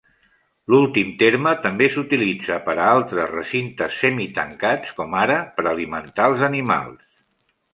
L'últim terme també s'utilitza per a altres recintes semitancats, com ara per alimentar els animals.